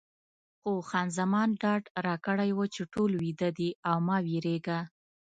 خو خان زمان ډاډ راکړی و چې ټول ویده دي او مه وېرېږه.